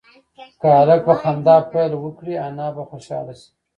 که هلک په خندا پیل وکړي انا به خوشحاله شي.